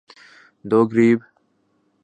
دوگریب